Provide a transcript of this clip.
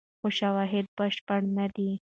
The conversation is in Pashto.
خو شواهد بشپړ نه دي.